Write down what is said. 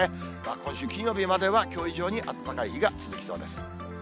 今週金曜日まではきょう以上に暖かい日が続きそうです。